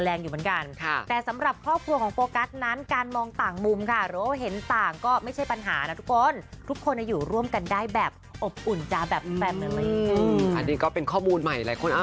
อันนี้ก็เป็นข้อมูลใหม่หลายคนอ้าวไม่ทราบเหมือนกันนะคะ